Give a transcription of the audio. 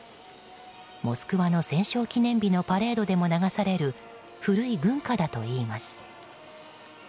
モスクワの戦勝記念日のパレードでも流される古い軍歌だといいます。